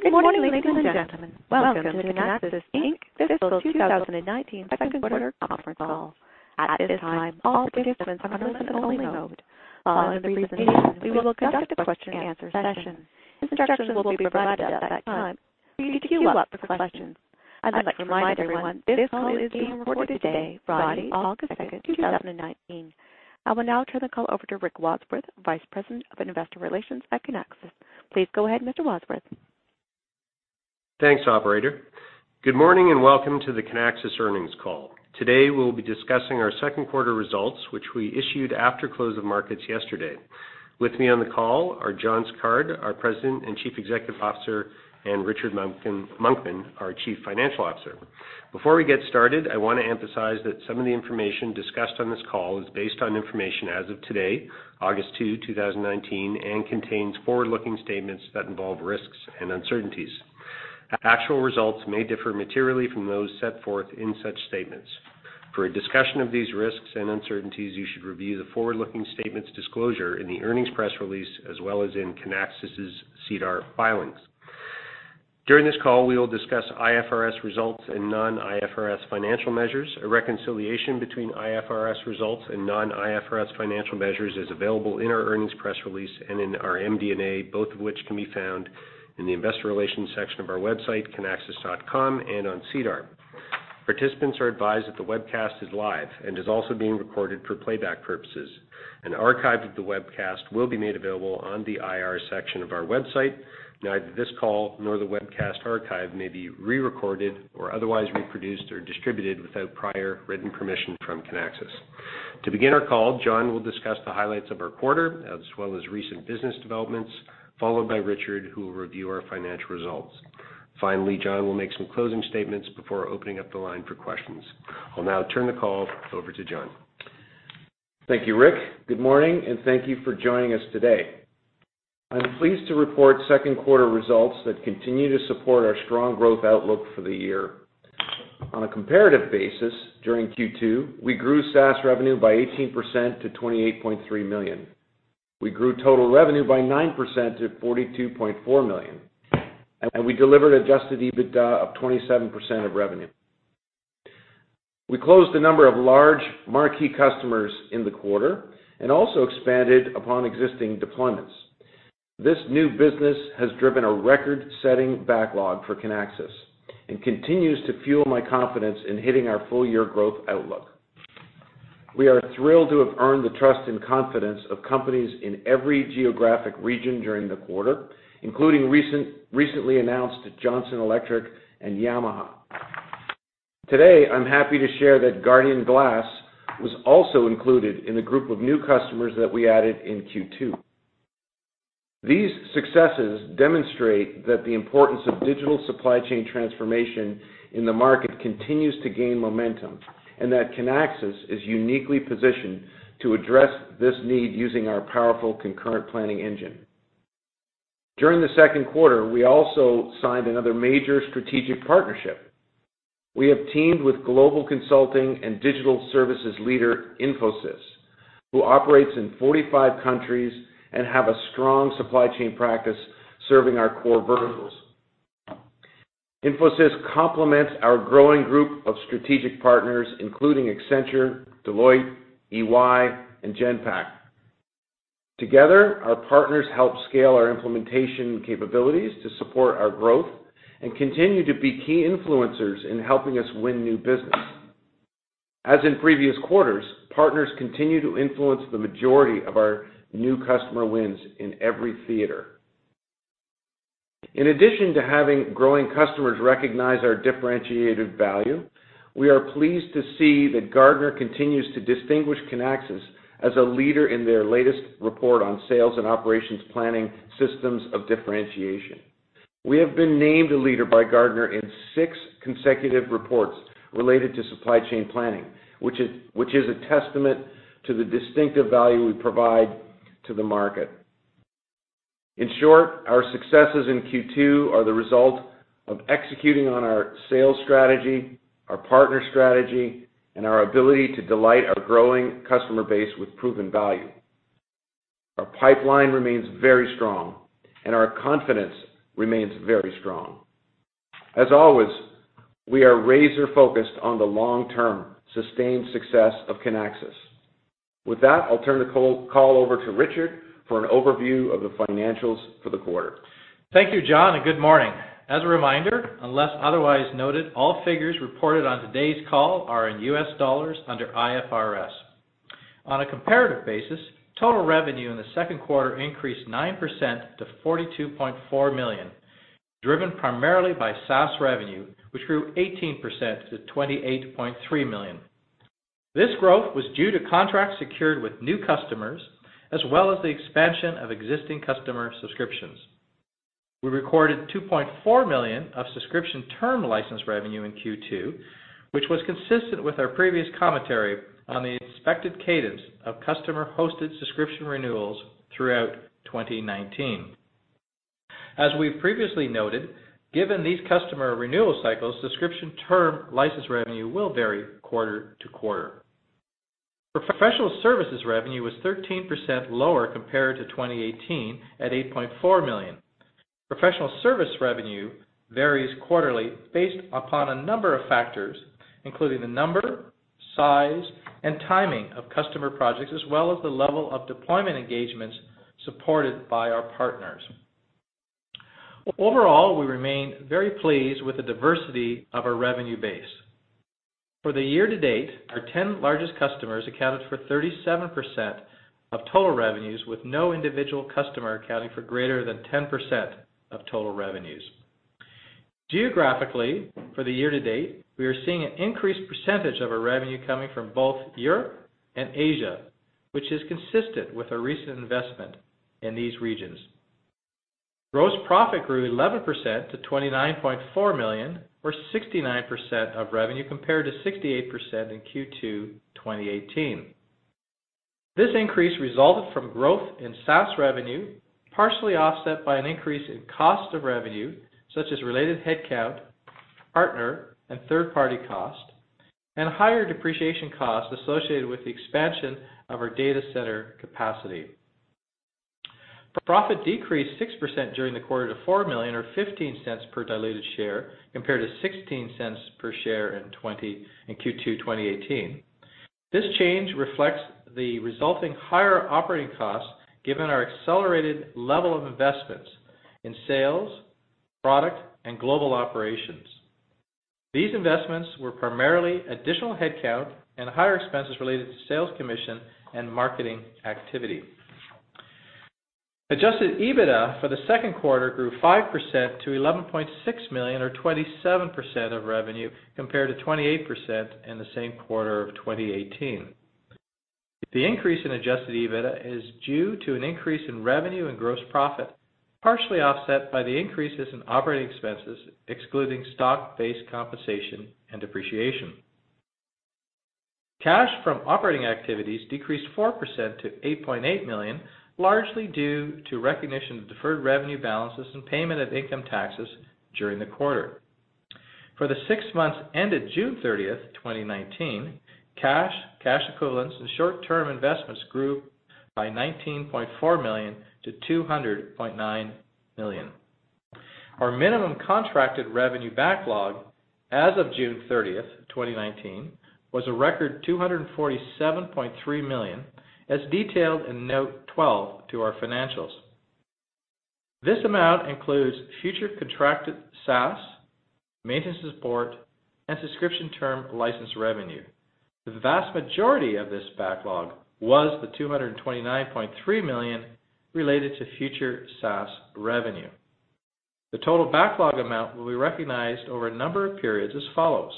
Good morning, ladies and gentlemen. Welcome to Kinaxis Inc.'s fiscal 2019 second quarter conference call. At this time, all participants are in listen-only mode. Following the presentation, we will conduct a question-and-answer session. Instructions will be provided at that time. Please queue up for questions. I'd like to remind everyone this call is being recorded today, Friday, August 2nd, 2019. I will now turn the call over to Rick Wadsworth, Vice President of Investor Relations at Kinaxis. Please go ahead, Mr. Wadsworth. Thanks, operator. Good morning, welcome to the Kinaxis earnings call. Today, we'll be discussing our second quarter results, which we issued after close of markets yesterday. With me on the call are John Sicard, our President and Chief Executive Officer, and Richard Monkman, our Chief Financial Officer. Before we get started, I want to emphasize that some of the information discussed on this call is based on information as of today, August 2, 2019, and contains forward-looking statements that involve risks and uncertainties. Actual results may differ materially from those set forth in such statements. For a discussion of these risks and uncertainties, you should review the forward-looking statements disclosure in the earnings press release, as well as in Kinaxis' SEDAR filings. During this call, we will discuss IFRS results and non-IFRS financial measures. A reconciliation between IFRS results and non-IFRS financial measures is available in our earnings press release and in our MD&A, both of which can be found in the investor relations section of our website, kinaxis.com, and on SEDAR. Participants are advised that the webcast is live and is also being recorded for playback purposes. An archive of the webcast will be made available on the IR section of our website. Neither this call nor the webcast archive may be re-recorded or otherwise reproduced or distributed without prior written permission from Kinaxis. To begin our call, John will discuss the highlights of our quarter, as well as recent business developments, followed by Richard, who will review our financial results. Finally, John will make some closing statements before opening up the line for questions. I'll now turn the call over to John. Thank you, Rick. Good morning, and thank you for joining us today. I'm pleased to report second quarter results that continue to support our strong growth outlook for the year. On a comparative basis, during Q2, we grew SaaS revenue by 18% to $28.3 million. We grew total revenue by 9% to $42.4 million, and we delivered adjusted EBITDA of 27% of revenue. We closed a number of large marquee customers in the quarter and also expanded upon existing deployments. This new business has driven a record-setting backlog for Kinaxis and continues to fuel my confidence in hitting our full-year growth outlook. We are thrilled to have earned the trust and confidence of companies in every geographic region during the quarter, including recently announced Johnson Electric and Yamaha. Today, I'm happy to share that Guardian Glass was also included in the group of new customers that we added in Q2. These successes demonstrate that the importance of digital supply chain transformation in the market continues to gain momentum, and that Kinaxis is uniquely positioned to address this need using our powerful concurrent planning engine. During the second quarter, we also signed another major strategic partnership. We have teamed with global consulting and digital services leader, Infosys, who operates in 45 countries and have a strong supply chain practice serving our core verticals. Infosys complements our growing group of strategic partners, including Accenture, Deloitte, EY, and Genpact. Together, our partners help scale our implementation capabilities to support our growth and continue to be key influencers in helping us win new business. As in previous quarters, partners continue to influence the majority of our new customer wins in every theater. In addition to having growing customers recognize our differentiated value, we are pleased to see that Gartner continues to distinguish Kinaxis as a leader in their latest report on sales and operations planning systems of differentiation. We have been named a leader by Gartner in six consecutive reports related to supply chain planning, which is a testament to the distinctive value we provide to the market. In short, our successes in Q2 are the result of executing on our sales strategy, our partner strategy, and our ability to delight our growing customer base with proven value. Our pipeline remains very strong, our confidence remains very strong. As always, we are razor-focused on the long-term sustained success of Kinaxis. With that, I'll turn the call over to Richard for an overview of the financials for the quarter. Thank you, John, and good morning. As a reminder, unless otherwise noted, all figures reported on today's call are in US dollars under IFRS. On a comparative basis, total revenue in the second quarter increased 9% to $42.4 million, driven primarily by SaaS revenue, which grew 18% to $28.3 million. This growth was due to contracts secured with new customers, as well as the expansion of existing customer subscriptions. We recorded $2.4 million of subscription term license revenue in Q2, which was consistent with our previous commentary on the expected cadence of customer-hosted subscription renewals throughout 2019. As we've previously noted, given these customer renewal cycles, subscription term license revenue will vary quarter to quarter. Professional services revenue was 13% lower compared to 2018, at $8.4 million. Professional service revenue varies quarterly based upon a number of factors, including the number, size, and timing of customer projects, as well as the level of deployment engagements supported by our partners. Overall, we remain very pleased with the diversity of our revenue base. For the year to date, our 10 largest customers accounted for 37% of total revenues, with no individual customer accounting for greater than 10% of total revenues. Geographically, for the year to date, we are seeing an increased percentage of our revenue coming from both Europe and Asia, which is consistent with our recent investment in these regions. Gross profit grew 11% to $29.4 million, or 69% of revenue, compared to 68% in Q2 2018. This increase resulted from growth in SaaS revenue, partially offset by an increase in cost of revenue, such as related headcount, partner, and third-party cost, and higher depreciation costs associated with the expansion of our data center capacity. Profit decreased 6% during the quarter to $4 million, or $0.15 per diluted share, compared to $0.16 per share in Q2 2018. This change reflects the resulting higher operating costs, given our accelerated level of investments in sales, product, and global operations. These investments were primarily additional headcount and higher expenses related to sales commission and marketing activity. Adjusted EBITDA for the second quarter grew 5% to $11.6 million, or 27% of revenue, compared to 28% in the same quarter of 2018. The increase in Adjusted EBITDA is due to an increase in revenue and gross profit, partially offset by the increases in operating expenses, excluding stock-based compensation and depreciation. Cash from operating activities decreased 4% to $8.8 million, largely due to recognition of deferred revenue balances and payment of income taxes during the quarter. For the six months ended June 30th, 2019, cash equivalents, and short-term investments grew by $19.4 million to $200.9 million. Our minimum contracted revenue backlog as of June 30th, 2019, was a record $247.3 million, as detailed in Note 12 to our financials. This amount includes future contracted SaaS, maintenance support, and subscription term license revenue. The vast majority of this backlog was the $229.3 million related to future SaaS revenue. The total backlog amount will be recognized over a number of periods as follows: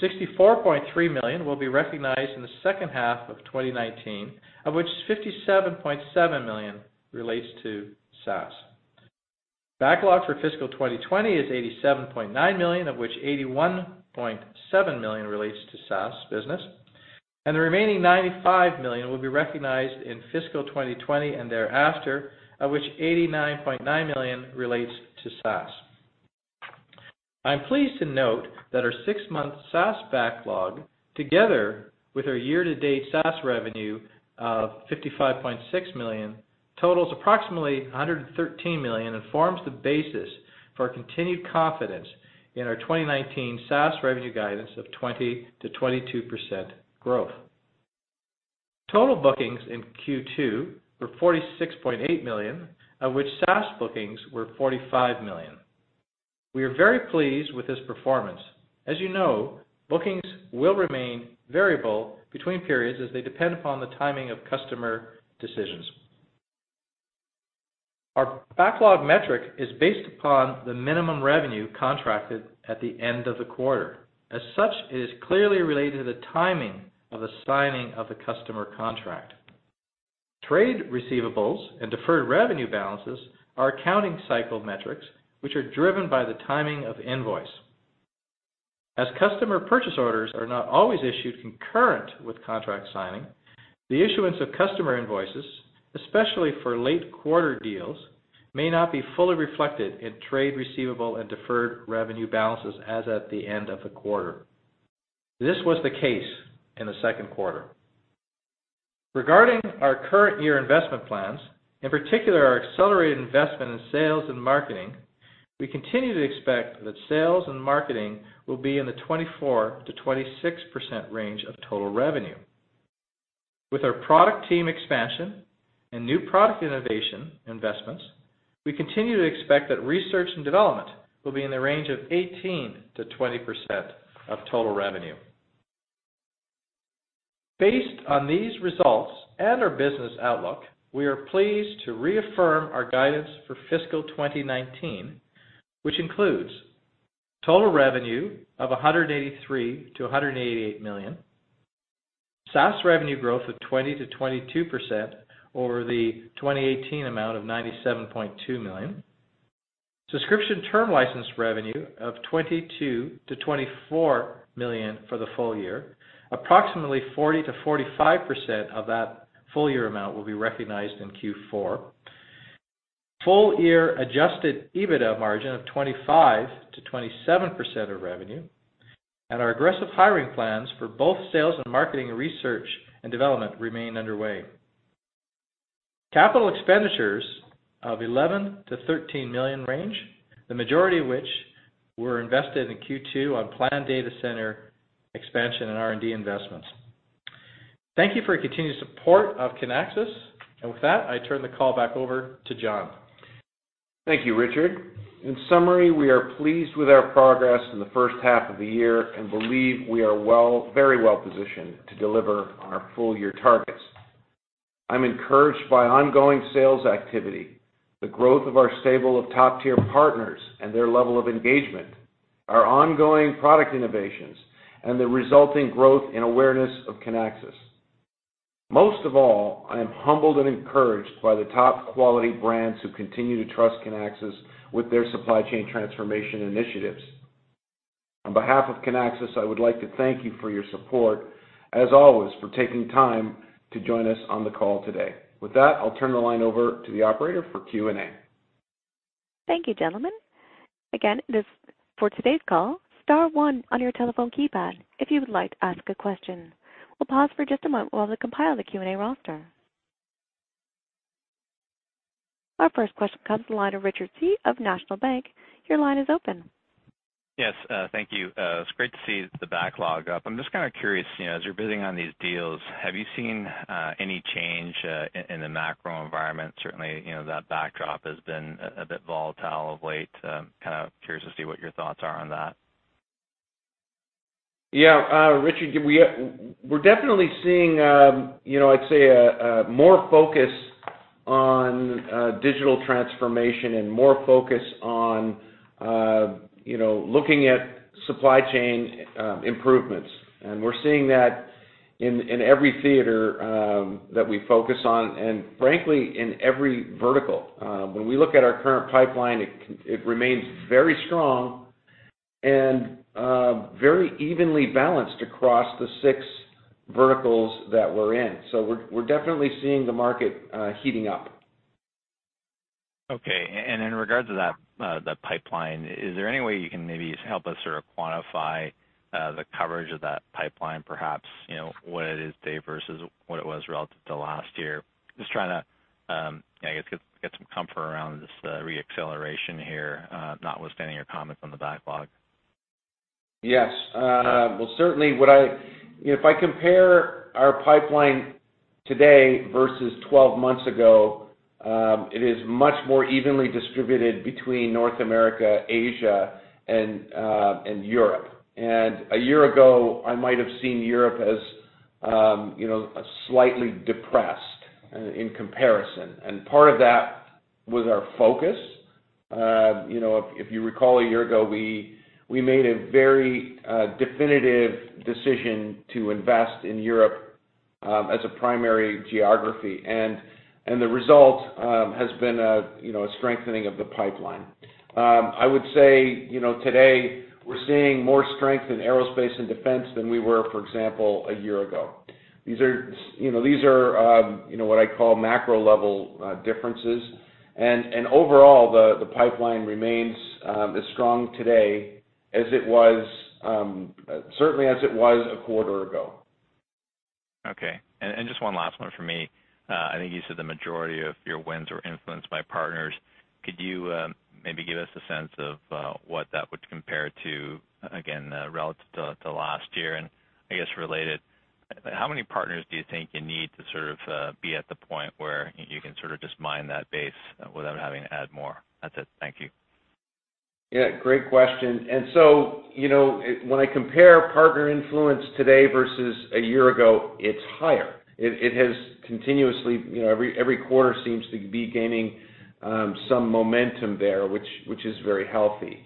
$64.3 million will be recognized in the second half of 2019, of which $57.7 million relates to SaaS. Backlog for fiscal 2020 is $87.9 million, of which $81.7 million relates to SaaS business. The remaining $95 million will be recognized in FY 2020 and thereafter, of which $89.9 million relates to SaaS. I'm pleased to note that our six-month SaaS backlog, together with our year-to-date SaaS revenue of $55.6 million, totals approximately $113 million and forms the basis for our continued confidence in our 2019 SaaS revenue guidance of 20%-22% growth. Total bookings in Q2 were $46.8 million, of which SaaS bookings were $45 million. We are very pleased with this performance. As you know, bookings will remain variable between periods as they depend upon the timing of customer decisions. Our backlog metric is based upon the minimum revenue contracted at the end of the quarter. As such, it is clearly related to the timing of the signing of the customer contract. Trade receivables and deferred revenue balances are accounting cycle metrics which are driven by the timing of invoice. As customer purchase orders are not always issued concurrent with contract signing, the issuance of customer invoices, especially for late quarter deals, may not be fully reflected in trade receivable and deferred revenue balances as at the end of the quarter. This was the case in the second quarter. Regarding our current year investment plans, in particular our accelerated investment in sales and marketing, we continue to expect that sales and marketing will be in the 24%-26% range of total revenue. With our product team expansion and new product innovation investments, we continue to expect that research and development will be in the range of 18%-20% of total revenue. Based on these results and our business outlook, we are pleased to reaffirm our guidance for fiscal 2019, which includes total revenue of $183 million-$188 million, SaaS revenue growth of 20%-22% over the 2018 amount of $97.2 million, subscription term license revenue of $22 million-$24 million for the full year. Approximately 40%-45% of that full-year amount will be recognized in Q4. Full year adjusted EBITDA margin of 25%-27% of revenue. Our aggressive hiring plans for both sales and marketing, research and development remain underway. Capital expenditures of $11 million-$13 million range, the majority of which were invested in Q2 on planned data center expansion and R&D investments. Thank you for your continued support of Kinaxis. With that, I turn the call back over to John. Thank you, Richard. In summary, we are pleased with our progress in the first half of the year and believe we are very well positioned to deliver on our full-year targets. I'm encouraged by ongoing sales activity, the growth of our stable of top-tier partners and their level of engagement, our ongoing product innovations, and the resulting growth in awareness of Kinaxis. Most of all, I am humbled and encouraged by the top-quality brands who continue to trust Kinaxis with their supply chain transformation initiatives. On behalf of Kinaxis, I would like to thank you for your support, as always, for taking time to join us on the call today. With that, I'll turn the line over to the operator for Q&A. Thank you, gentlemen. Again, for today's call, star one on your telephone keypad if you would like to ask a question. We'll pause for just a moment while they compile the Q&A roster. Our first question comes to the line of Richard Tse of National Bank. Your line is open. Yes. Thank you. It's great to see the backlog up. I'm just kind of curious, as you're bidding on these deals, have you seen any change in the macro environment? Certainly, that backdrop has been a bit volatile of late. Kind of curious to see what your thoughts are on that. Yeah. Richard, we're definitely seeing, I'd say, more focus on digital transformation and more focus on looking at supply chain improvements. We're seeing that in every theater that we focus on, and frankly, in every vertical. When we look at our current pipeline, it remains very strong and very evenly balanced across the six verticals that we're in. We're definitely seeing the market heating up. Okay. In regards to that pipeline, is there any way you can maybe help us sort of quantify the coverage of that pipeline, perhaps, what it is today versus what it was relative to last year? Just trying to, I guess, get some comfort around this re-acceleration here, notwithstanding your comments on the backlog. Yes. Certainly, if I compare our pipeline today versus 12 months ago, it is much more evenly distributed between North America, Asia, and Europe. A year ago, I might have seen Europe as slightly depressed in comparison. Part of that was our focus. If you recall, a year ago, we made a very definitive decision to invest in Europe as a primary geography. The result has been a strengthening of the pipeline. I would say today, we're seeing more strength in aerospace and defense than we were, for example, a year ago. These are what I call macro-level differences. Overall, the pipeline remains as strong today as it was, certainly as it was a quarter ago. Okay. Just one last one from me. I think you said the majority of your wins were influenced by partners. Could you maybe give us a sense of what that would compare to, again, relative to last year? I guess related, how many partners do you think you need to sort of be at the point where you can sort of just mine that base without having to add more? That's it. Thank you. Yeah, great question. When I compare partner influence today versus a year ago, it's higher. It has continuously, every quarter seems to be gaining some momentum there, which is very healthy.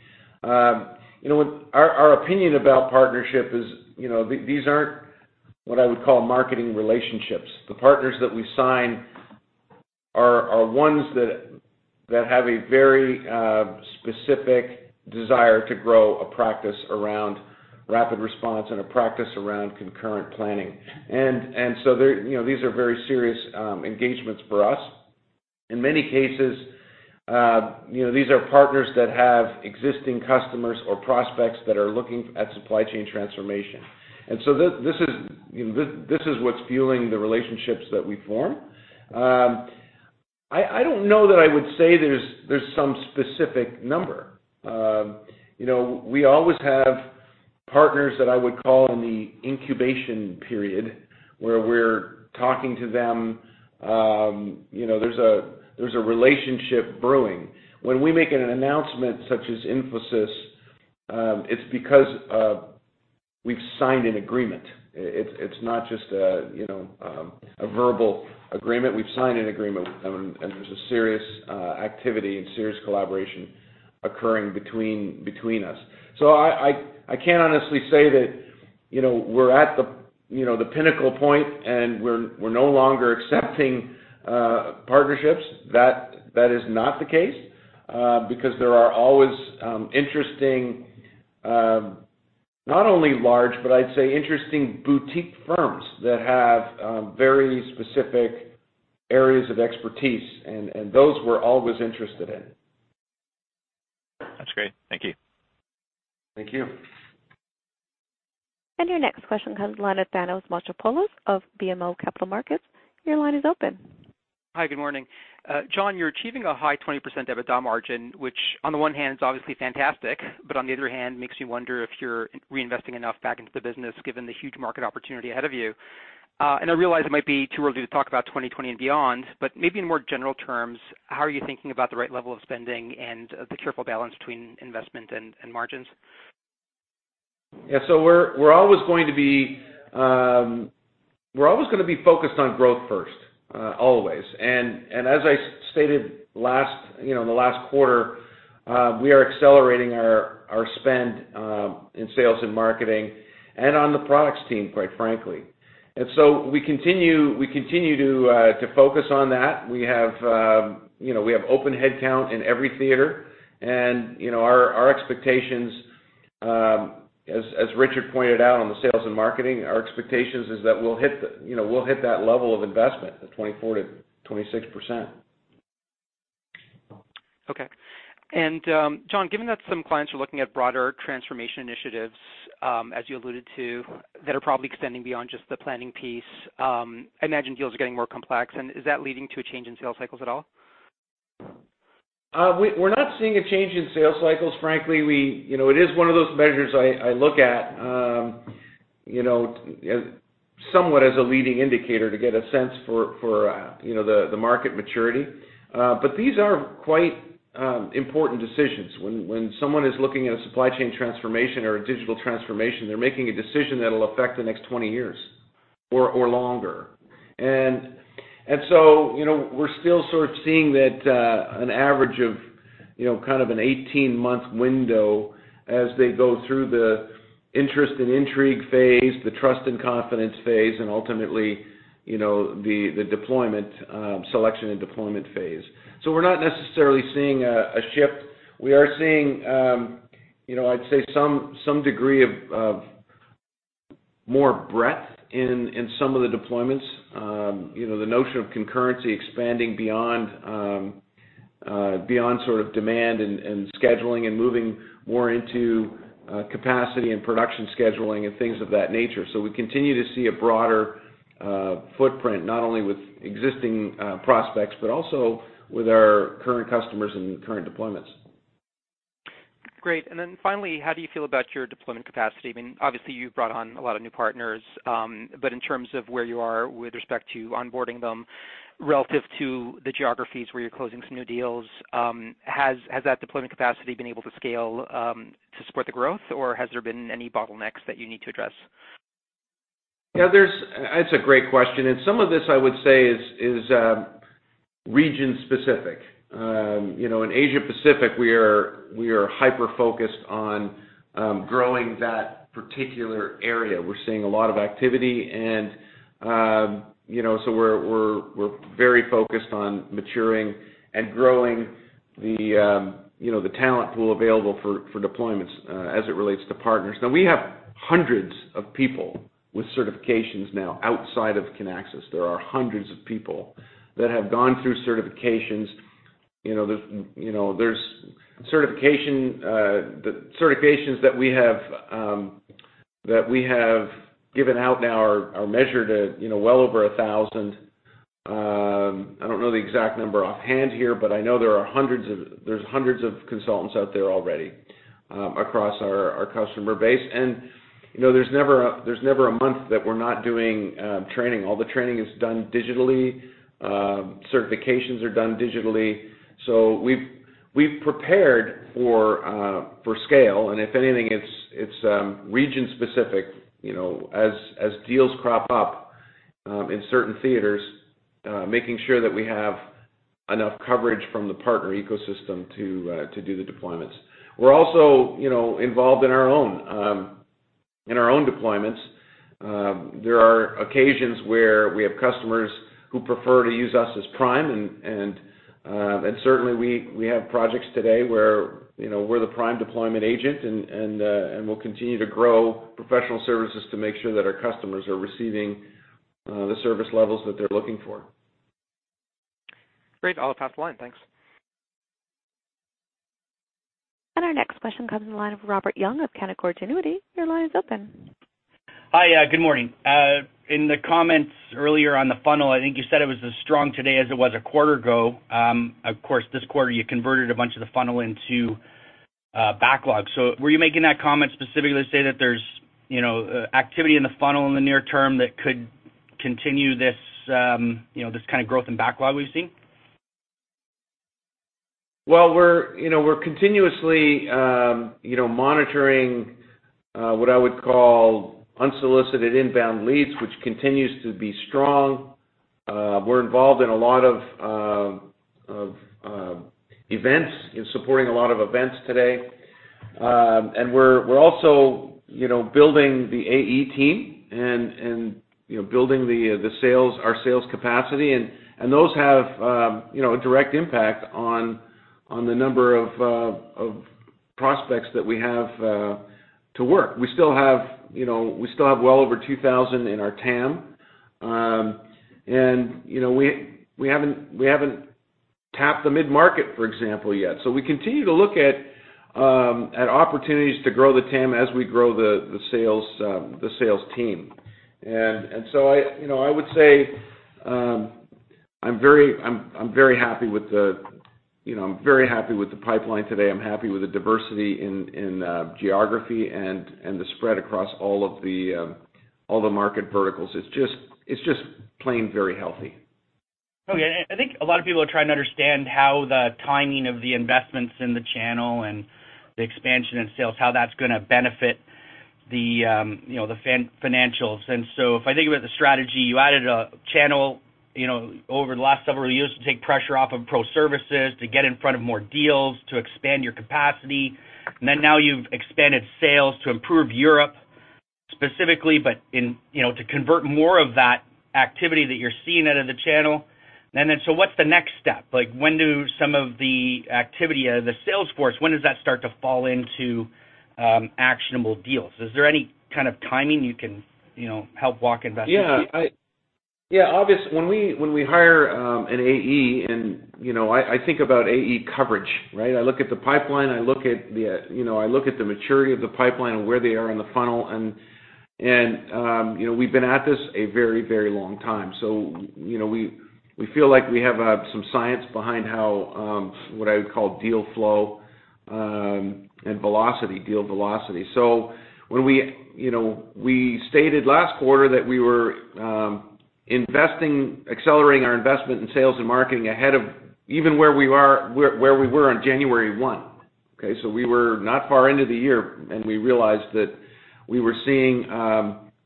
Our opinion about partnership is these aren't what I would call marketing relationships. The partners that we sign are ones that have a very specific desire to grow a practice around RapidResponse and a practice around concurrent planning. These are very serious engagements for us. In many cases, these are partners that have existing customers or prospects that are looking at supply chain transformation. This is what's fueling the relationships that we form. I don't know that I would say there's some specific number. We always have partners that I would call in the incubation period, where we're talking to them. There's a relationship brewing. When we make an announcement such as Infosys, it's because we've signed an agreement. It's not just a verbal agreement. We've signed an agreement with them, and there's a serious activity and serious collaboration occurring between us. I can't honestly say that we're at the pinnacle point, and we're no longer accepting partnerships. That is not the case. There are always interesting, not only large, but I'd say interesting boutique firms that have very specific areas of expertise, and those we're always interested in. That's great. Thank you. Thank you. Your next question comes from the line of Thanos Moschopoulos of BMO Capital Markets. Your line is open. Hi, good morning. John, you're achieving a high 20% EBITDA margin, which on the one hand is obviously fantastic, but on the other hand, makes you wonder if you're reinvesting enough back into the business, given the huge market opportunity ahead of you. I realize it might be too early to talk about 2020 and beyond, but maybe in more general terms, how are you thinking about the right level of spending and the careful balance between investment and margins? Yeah. We're always going to be focused on growth first. Always. As I stated in the last quarter, we are accelerating our spend in sales and marketing, and on the products team, quite frankly. We continue to focus on that. We have open headcount in every theater, and our expectations, as Richard pointed out on the sales and marketing, our expectation is that we'll hit that level of investment, the 24%-26%. Okay. John, given that some clients are looking at broader transformation initiatives, as you alluded to, that are probably extending beyond just the planning piece, I imagine deals are getting more complex. Is that leading to a change in sales cycles at all? We're not seeing a change in sales cycles, frankly. It is one of those measures I look at somewhat as a leading indicator to get a sense for the market maturity. These are quite important decisions. When someone is looking at a supply chain transformation or a digital transformation, they're making a decision that'll affect the next 20 years or longer. We're still sort of seeing that an average of kind of an 18-month window as they go through the interest and intrigue phase, the trust and confidence phase, and ultimately, the selection and deployment phase. We're not necessarily seeing a shift. We are seeing, I'd say, some degree of more breadth in some of the deployments. The notion of concurrency expanding beyond sort of demand and scheduling and moving more into capacity and production scheduling and things of that nature. We continue to see a broader footprint, not only with existing prospects, but also with our current customers and current deployments. Great. Finally, how do you feel about your deployment capacity? I mean, obviously, you've brought on a lot of new partners. In terms of where you are with respect to onboarding them relative to the geographies where you're closing some new deals, has that deployment capacity been able to scale to support the growth, or has there been any bottlenecks that you need to address? Yeah, that's a great question. Some of this, I would say, is region specific. In Asia Pacific, we are hyper-focused on growing that particular area. We're seeing a lot of activity. We're very focused on maturing and growing the talent pool available for deployments as it relates to partners. Now we have hundreds of people with certifications now outside of Kinaxis. There are hundreds of people that have gone through certifications. The certifications that we have given out now are measured at well over 1,000. I don't know the exact number offhand here, but I know there's hundreds of consultants out there already across our customer base. There's never a month that we're not doing training. All the training is done digitally. Certifications are done digitally. We've prepared for scale, and if anything, it's region specific. As deals crop up in certain theaters, making sure that we have enough coverage from the partner ecosystem to do the deployments. We're also involved in our own deployments. There are occasions where we have customers who prefer to use us as prime, and certainly, we have projects today where we're the prime deployment agent, and we'll continue to grow professional services to make sure that our customers are receiving the service levels that they're looking for. Great. I'll pass the line. Thanks. Our next question comes in the line of Robert Young of Canaccord Genuity. Your line is open. Hi. Good morning. In the comments earlier on the funnel, I think you said it was as strong today as it was a quarter ago. Of course, this quarter you converted a bunch of the funnel into backlog. Were you making that comment specifically to say that there's activity in the funnel in the near term that could continue this kind of growth and backlog we've seen? Well, we're continuously monitoring what I would call unsolicited inbound leads, which continues to be strong. We're involved in a lot of events, in supporting a lot of events today. We're also building the AE team, and building our sales capacity, and those have a direct impact on the number of prospects that we have to work. We still have well over 2,000 in our TAM. We haven't tapped the mid-market, for example, yet. We continue to look at opportunities to grow the TAM as we grow the sales team. I would say I'm very happy with the pipeline today. I'm happy with the diversity in geography and the spread across all of the market verticals. It's just plain very healthy. Okay. I think a lot of people are trying to understand how the timing of the investments in the channel and the expansion in sales, how that's going to benefit the financials. If I think about the strategy, you added a channel over the last several years to take pressure off of pro services, to get in front of more deals, to expand your capacity. Now you've expanded sales to improve Europe specifically, but to convert more of that activity that you're seeing out of the channel. What's the next step? Like when do some of the activity out of the sales force, when does that start to fall into actionable deals? Is there any kind of timing you can help walk investors through? Yeah. Obviously, when we hire an AE, and I think about AE coverage, right? I look at the pipeline, I look at the maturity of the pipeline and where they are in the funnel, and we've been at this a very long time. We feel like we have some science behind how, what I would call deal flow, and deal velocity. When we stated last quarter that we were accelerating our investment in sales and marketing ahead of even where we were on January 1, okay? We were not far into the year, and we realized that we were seeing,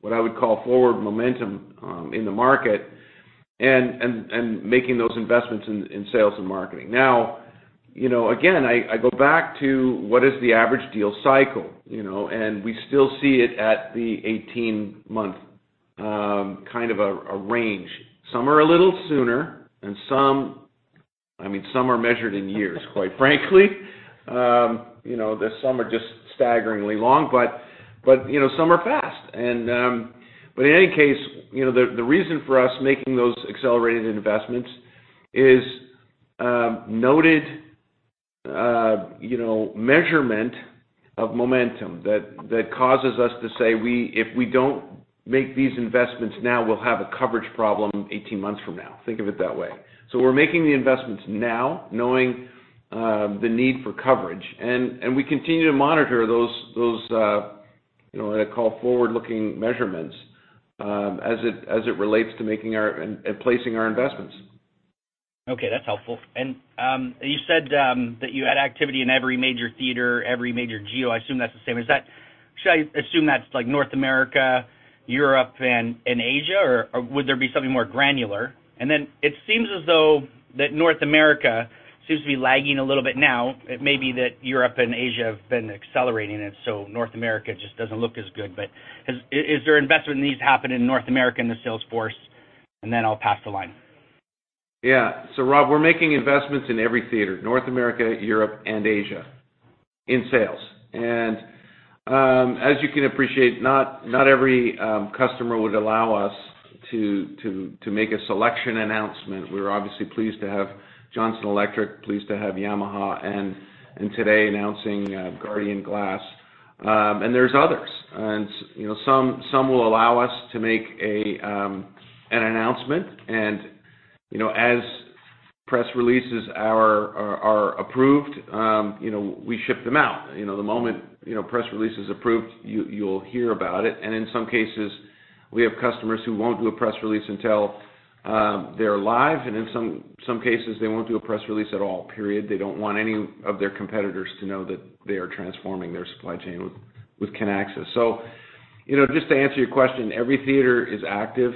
what I would call forward momentum in the market, and making those investments in sales and marketing. Now, again, I go back to what is the average deal cycle? We still see it at the 18-month, kind of a range. Some are a little sooner, and some are measured in years, quite frankly. Some are just staggeringly long, but some are fast. In any case, the reason for us making those accelerated investments is noted measurement of momentum that causes us to say, "If we don't make these investments now, we'll have a coverage problem 18 months from now." Think of it that way. We're making the investments now, knowing the need for coverage, and we continue to monitor those, what I call forward-looking measurements, as it relates to making our and placing our investments. Okay, that's helpful. You said that you had activity in every major theater, every major geo. Should I assume that's like North America, Europe, and Asia? Or would there be something more granular? It seems as though that North America seems to be lagging a little bit now. It may be that Europe and Asia have been accelerating it, so North America just doesn't look as good. Is there investment that needs to happen in North America in the sales force? I'll pass the line. Yeah. Rob, we're making investments in every theater, North America, Europe, and Asia, in sales. As you can appreciate, not every customer would allow us to make a selection announcement. We're obviously pleased to have Johnson Electric, pleased to have Yamaha, and today announcing Guardian Glass. There's others. Some will allow us to make an announcement. As press releases are approved, we ship them out. The moment press release is approved, you'll hear about it. In some cases, we have customers who won't do a press release until they're live. In some cases, they won't do a press release at all, period. They don't want any of their competitors to know that they are transforming their supply chain with Kinaxis. Just to answer your question, every theater is active.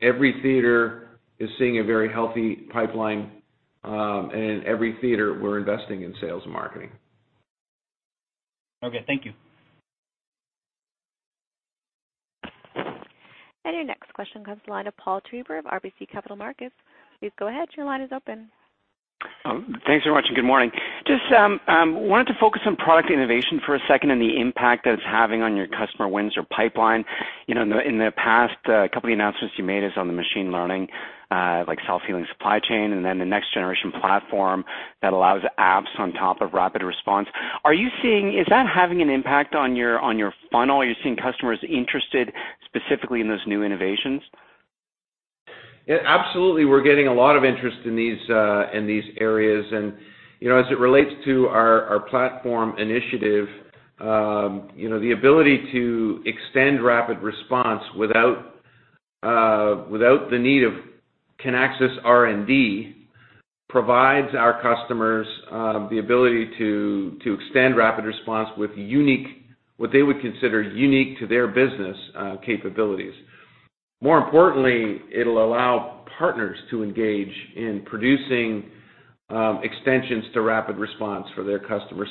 Every theater is seeing a very healthy pipeline. In every theater, we're investing in sales and marketing. Okay. Thank you. Your next question comes to the line of Paul Treiber of RBC Capital Markets. Please go ahead. Your line is open. Thanks very much, and good morning. Just wanted to focus on product innovation for a second, and the impact that it's having on your customer wins or pipeline. In the past, a couple of announcements you made is on the machine learning, like self-healing supply chain, and then the next generation platform that allows apps on top of RapidResponse. Is that having an impact on your funnel? Are you seeing customers interested specifically in those new innovations? Yeah, absolutely. We're getting a lot of interest in these areas. As it relates to our platform initiative, the ability to extend RapidResponse without the need of Kinaxis R&D provides our customers the ability to extend RapidResponse with what they would consider unique to their business capabilities. More importantly, it'll allow partners to engage in producing extensions to RapidResponse for their customers.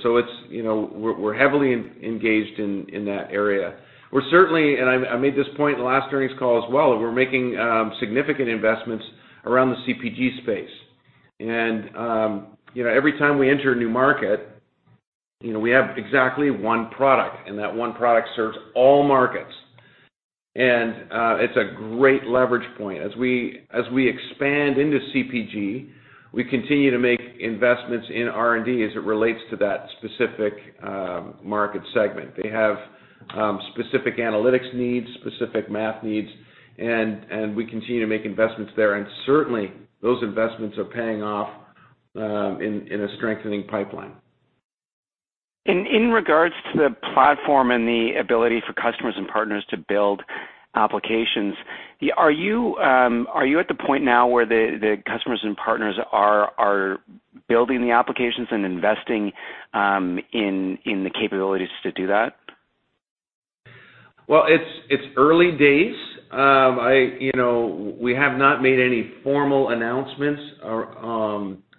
We're heavily engaged in that area. We're certainly, and I made this point in the last earnings call as well, we're making significant investments around the CPG space. Every time we enter a new market. We have exactly one product, and that one product serves all markets. It's a great leverage point. As we expand into CPG, we continue to make investments in R&D as it relates to that specific market segment. They have specific analytics needs, specific math needs, and we continue to make investments there. Certainly, those investments are paying off in a strengthening pipeline. In regards to the platform and the ability for customers and partners to build applications, are you at the point now where the customers and partners are building the applications and investing in the capabilities to do that? Well, it's early days. We have not made any formal announcements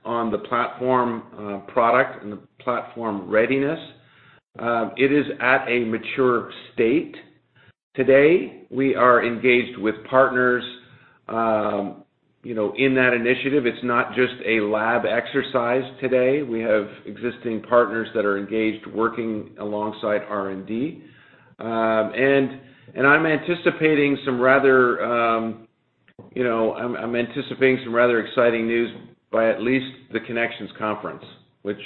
on the platform product and the platform readiness. It is at a mature state. Today, we are engaged with partners in that initiative. It's not just a lab exercise today. We have existing partners that are engaged, working alongside R&D. I'm anticipating some rather exciting news by at least the Kinexions conference, which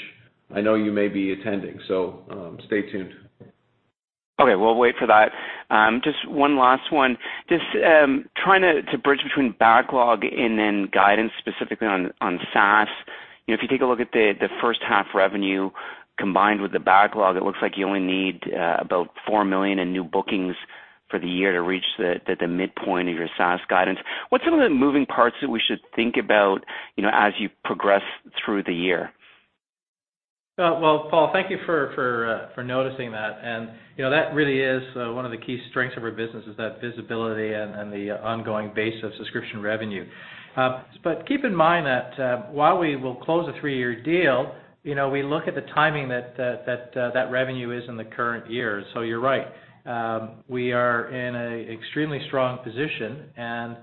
I know you may be attending, so stay tuned. We'll wait for that. Just one last one. Just trying to bridge between backlog and then guidance, specifically on SaaS. If you take a look at the first half revenue combined with the backlog, it looks like you only need about $4 million in new bookings for the year to reach the midpoint of your SaaS guidance. What's some of the moving parts that we should think about as you progress through the year? Paul, thank you for noticing that. That really is one of the key strengths of our business, is that visibility and the ongoing base of subscription revenue. Keep in mind that while we will close a three-year deal, we look at the timing that that revenue is in the current year. You're right. We are in a extremely strong position, and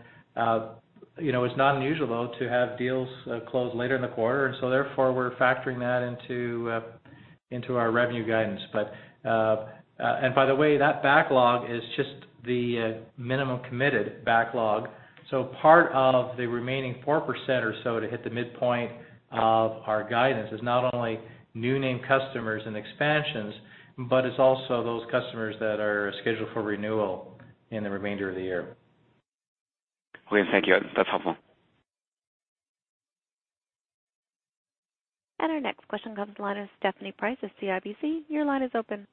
it's not unusual, though, to have deals close later in the quarter. Therefore, we're factoring that into our revenue guidance. By the way, that backlog is just the minimum committed backlog. Part of the remaining 4% or so to hit the midpoint of our guidance is not only new name customers and expansions, but it's also those customers that are scheduled for renewal in the remainder of the year. Richard, thank you. That's helpful. Our next question comes the line of Stephanie Price of CIBC. Your line is open.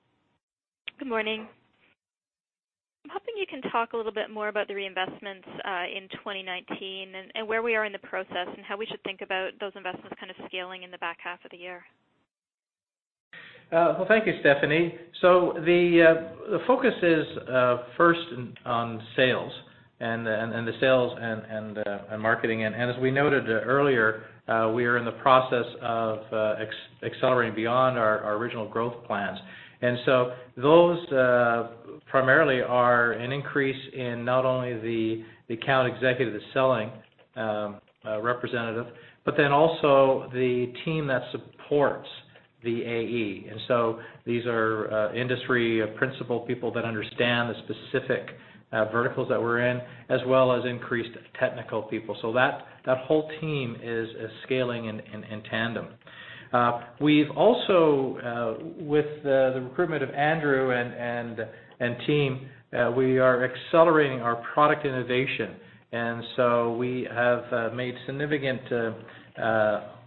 Good morning. I'm hoping you can talk a little bit more about the reinvestments in 2019, and where we are in the process, and how we should think about those investments kind of scaling in the back half of the year? Thank you, Stephanie. The focus is first on sales, and the sales and marketing. As we noted earlier, we are in the process of accelerating beyond our original growth plans. Those primarily are an increase in not only the account executive, the selling representative, but then also the team that supports the AE. These are industry principal people that understand the specific verticals that we're in, as well as increased technical people. That whole team is scaling in tandem. We've also, with the recruitment of Andrew and team, we are accelerating our product innovation. We have made significant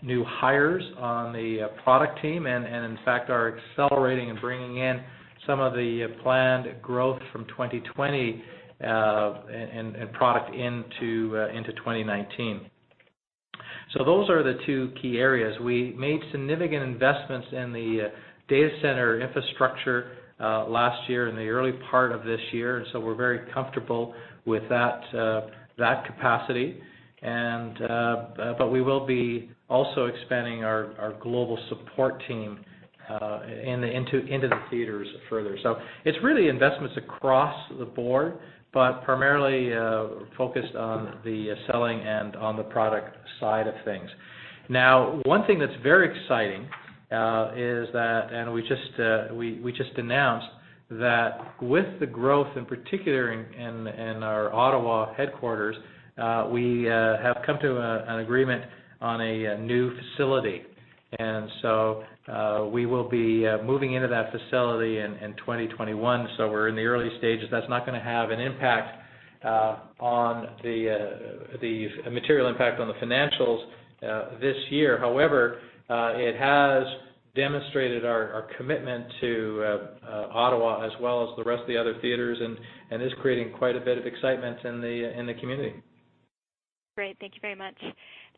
new hires on the product team, and in fact, are accelerating and bringing in some of the planned growth from 2020, and product into 2019. Those are the two key areas. We made significant investments in the data center infrastructure last year and the early part of this year, and so we're very comfortable with that capacity. We will be also expanding our global support team into the theaters further. It's really investments across the board, but primarily focused on the selling and on the product side of things. Now, one thing that's very exciting is that, and we just announced that with the growth in particular in our Ottawa headquarters, we have come to an agreement on a new facility. We will be moving into that facility in 2021. We're in the early stages. That's not going to have a material impact on the financials this year. However, it has demonstrated our commitment to Ottawa as well as the rest of the other theaters, and is creating quite a bit of excitement in the community. Great. Thank you very much.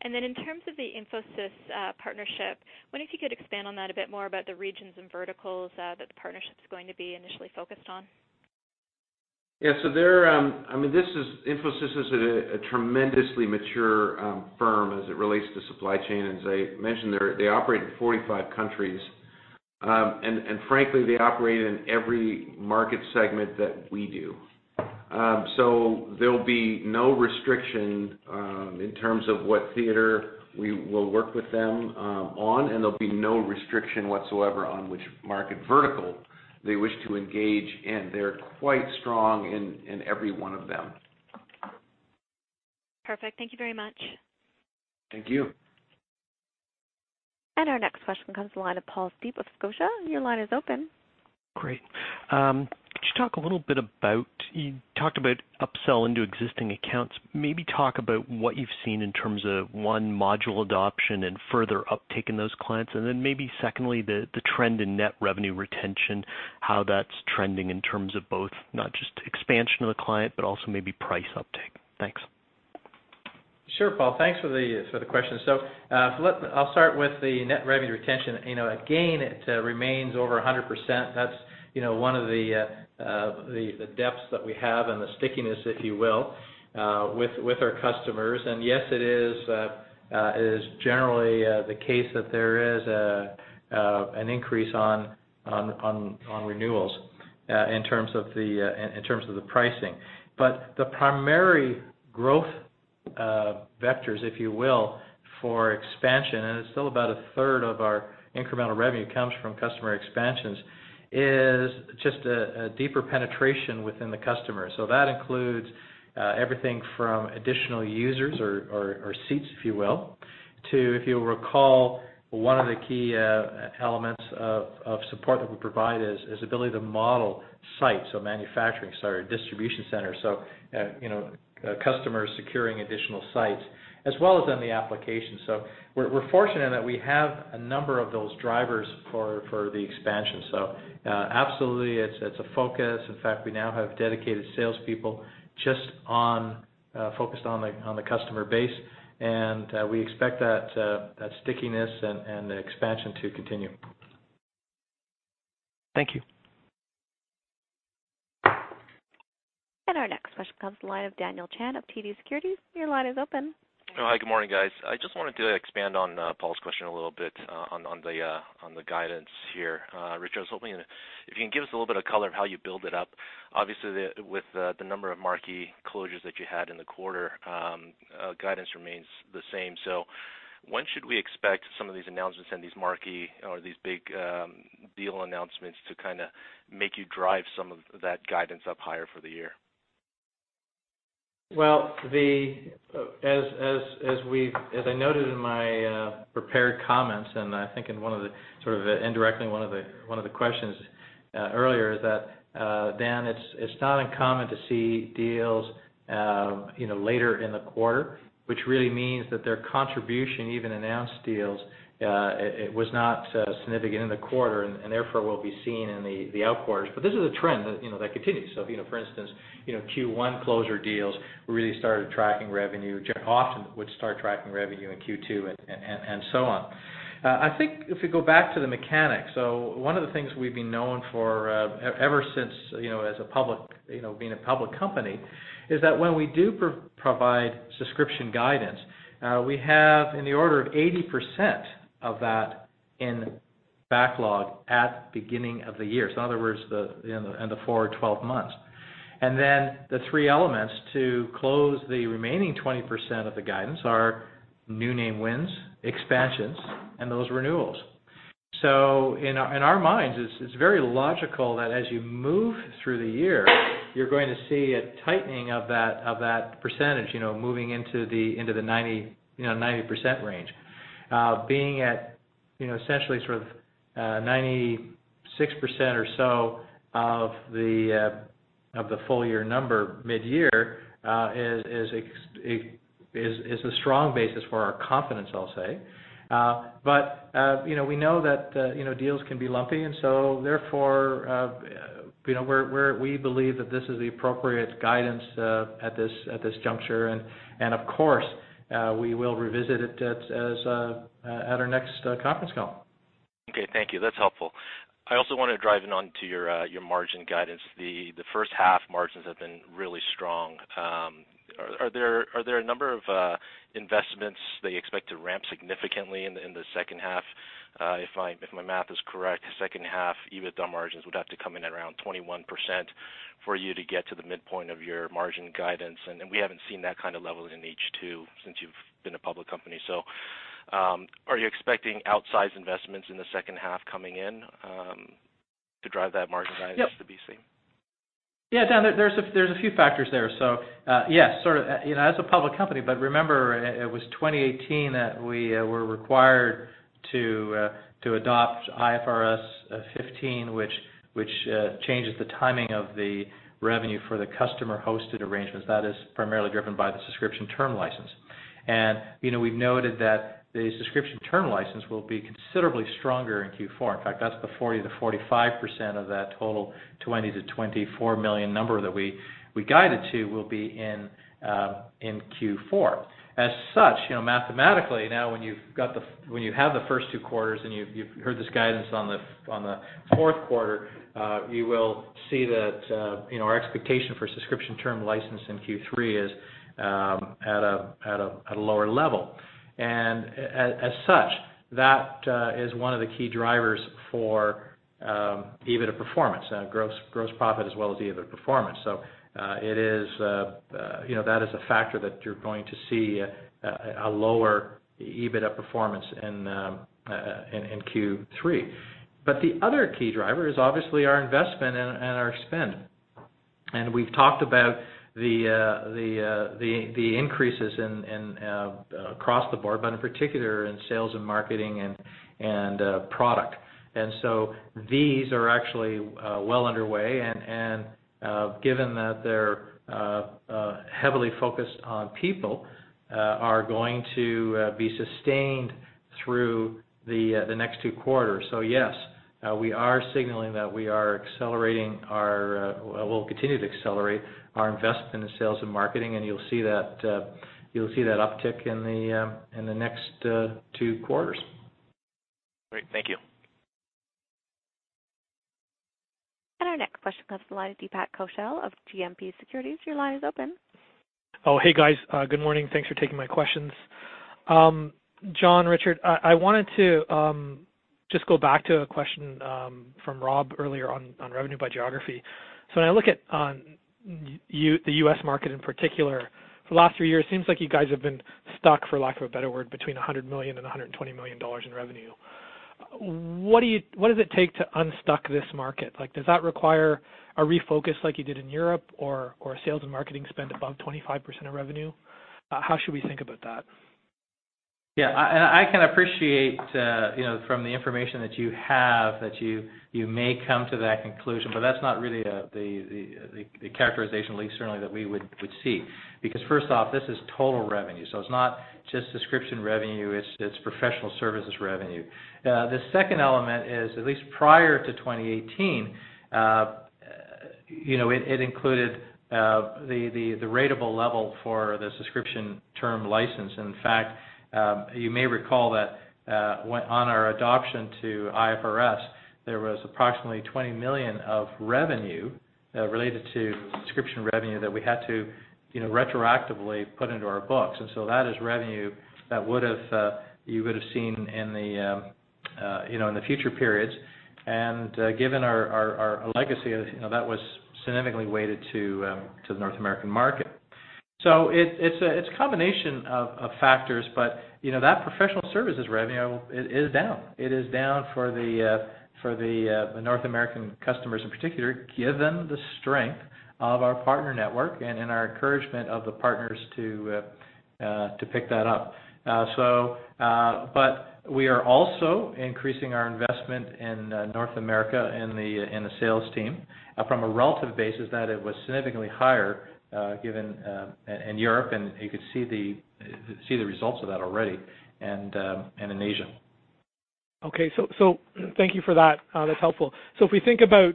In terms of the Infosys partnership, I wonder if you could expand on that a bit more about the regions and verticals that the partnership's going to be initially focused on. Yeah. Infosys is a tremendously mature firm as it relates to supply chain. As I mentioned, they operate in 45 countries. Frankly, they operate in every market segment that we do. There'll be no restriction in terms of what theater we will work with them on, and there'll be no restriction whatsoever on which market vertical they wish to engage in. They're quite strong in every one of them. Perfect. Thank you very much. Thank you. Our next question comes to the line of Paul Steep of Scotiabank. Your line is open. Great. You talked about upsell into existing accounts. Talk about what you've seen in terms of 1 module adoption and further uptake in those clients. Secondly, the trend in net revenue retention, how that's trending in terms of both, not just expansion of the client, but also maybe price uptake. Thanks. Sure, Paul. Thanks for the question. I'll start with the net revenue retention. Again, it remains over 100%. That's one of the depths that we have and the stickiness, if you will, with our customers. Yes, it is generally the case that there is an increase on renewals in terms of the pricing. The primary growth vectors, if you will, for expansion, and it's still about a third of our incremental revenue comes from customer expansions, is just a deeper penetration within the customer. That includes everything from additional users or seats, if you will, to, if you'll recall, one of the key elements of support that we provide is the ability to model sites, manufacturing, sorry, distribution centers. Customers securing additional sites, as well as on the application. We're fortunate that we have a number of those drivers for the expansion. Absolutely, it's a focus. In fact, we now have dedicated salespeople just focused on the customer base, and we expect that stickiness and the expansion to continue. Thank you. Our next question comes to the line of Daniel Chan of TD Securities. Your line is open. Hi, good morning, guys. I just wanted to expand on Paul's question a little bit, on the guidance here. Rich, I was hoping if you can give us a little bit of color how you build it up. Obviously, with the number of marquee closures that you had in the quarter, guidance remains the same. When should we expect some of these announcements and these marquee or these big deal announcements to kind of make you drive some of that guidance up higher for the year? As I noted in my prepared comments, and I think in sort of indirectly in one of the questions earlier is that, Dan, it's not uncommon to see deals later in the quarter, which really means that their contribution, even announced deals, it was not significant in the quarter and therefore, will be seen in the out quarters. This is a trend that continues. For instance, Q1 closure deals really started tracking revenue, often would start tracking revenue in Q2 and so on. I think if we go back to the mechanics, so one of the things we've been known for, ever since being a public company is that when we do provide subscription guidance, we have in the order of 80% of that in backlog at beginning of the year, in other words, in the four 12 months. Then the three elements to close the remaining 20% of the guidance are new name wins, expansions, and those renewals. In our minds, it's very logical that as you move through the year, you're going to see a tightening of that percentage, moving into the 90% range. Being at essentially sort of 96% or so of the full year number mid-year is a strong basis for our confidence, I'll say. We know that deals can be lumpy, and so therefore, we believe that this is the appropriate guidance at this juncture, and of course, we will revisit it at our next conference call. Okay. Thank you. That's helpful. I also want to drive in onto your margin guidance. The first half margins have been really strong. Are there a number of investments that you expect to ramp significantly in the second half? If my math is correct, second half EBITDA margins would have to come in at around 21% for you to get to the midpoint of your margin guidance, and we haven't seen that kind of level in H2 since you've been a public company. Are you expecting outsized investments in the second half coming in to drive that margin guidance to be seen? Dan, there's a few factors there. Yes, as a public company, but remember, it was 2018 that we were required to adopt IFRS 15, which changes the timing of the revenue for the customer-hosted arrangements. That is primarily driven by the subscription term license. We've noted that the subscription term license will be considerably stronger in Q4. In fact, that's the 40%-45% of that total $20 million-$24 million number that we guided to will be in Q4. Mathematically, now when you have the first two quarters and you've heard this guidance on the fourth quarter, you will see that our expectation for subscription term license in Q3 is at a lower level. That is one of the key drivers for EBITDA performance, gross profit as well as EBITDA performance. That is a factor that you're going to see a lower EBITDA performance in Q3. The other key driver is obviously our investment and our spend. We've talked about the increases across the board, but in particular in sales and marketing and product. These are actually well underway, and given that they're heavily focused on people, are going to be sustained through the next two quarters. Yes, we are signaling that we are accelerating, well, we'll continue to accelerate our investment in sales and marketing, and you'll see that uptick in the next two quarters. Great. Thank you. Our next question comes to the line of Deepak Kochel of GMP Securities. Your line is open. Oh, hey guys. Good morning. Thanks for taking my questions. John, Richard, I wanted to just go back to a question from Rob earlier on revenue by geography. When I look at the U.S. market in particular for the last three years, it seems like you guys have been stuck, for lack of a better word, between $100 million and $120 million in revenue. What does it take to unstuck this market? Does that require a refocus like you did in Europe or a sales and marketing spend above 25% of revenue? How should we think about that? Yeah, I can appreciate from the information that you have that you may come to that conclusion, that's not really the characterization, at least certainly, that we would see. First off, this is total revenue, it's not just subscription revenue, it's professional services revenue. The second element is, at least prior to 2018, it included the ratable level for the subscription term license. In fact, you may recall that on our adoption to IFRS, there was approximately $20 million of revenue related to subscription revenue that we had to retroactively put into our books, that is revenue that you would've seen in the future periods. Given our legacy, that was significantly weighted to the North American market. It's a combination of factors, that professional services revenue is down. It is down for the North American customers in particular, given the strength of our partner network and in our encouragement of the partners to pick that up. We are also increasing our investment in North America in the sales team from a relative basis that it was significantly higher given in Europe, and you could see the results of that already, and in Asia. Okay. Thank you for that. That's helpful. If we think about